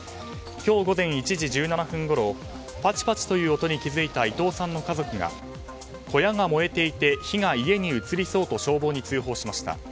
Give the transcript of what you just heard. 今日午前１時１７分ごろパチパチという音に気付いた伊藤さんの家族が小屋が燃えていて火が家に移りそうと消防に通報しました。